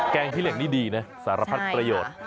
งขี้เหล็กนี่ดีนะสารพัดประโยชน์